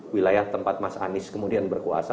wilayah tempat mas anies kemudian berkuasa